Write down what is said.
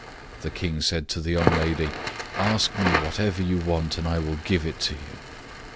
The king said to the young lady, "Ask me whatever you want, and I will give it to you."